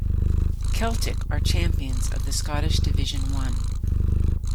Celtic are champions of the Scottish Division One.